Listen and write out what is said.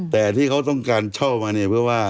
แต่ที่เขาต้องการเช่ามาเนี่ยเพื่อว่า